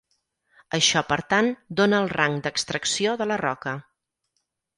Això per tant dóna el rang d'extracció de la roca.